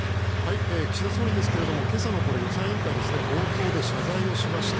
岸田総理ですが今朝の予算委員会の冒頭で謝罪をしました。